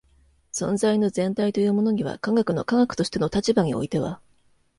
存在の全体というものには科学の科学としての立場においては